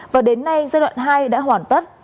và đến nay giai đoạn hai đã hoàn tất